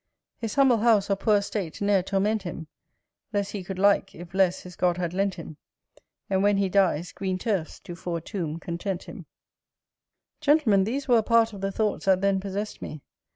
His humble house or poor state ne'er torment him Less he could like, if less his God had lent him; And when he dies, green turfs do for a tomb content him, Gentlemen, these were a part of the thoughts that then possessed me.